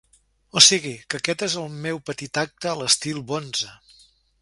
O sigui que aquest és el meu petit acte a l’estil bonze.